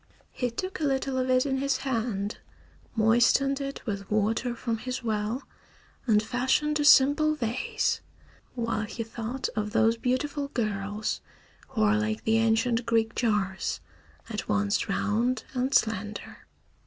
He took a little of it in his hand, moistened it with water from his well, and fashioned a simple vase, while he thought of those beautiful girls who are like the ancient Greek jars, at once round and slender.